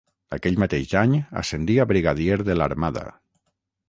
Aquell mateix any ascendí a Brigadier de l'Armada.